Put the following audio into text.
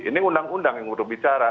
ini undang undang yang sudah bicara